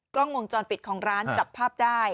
กล้องวงจรปิดของร้านจับภาพได้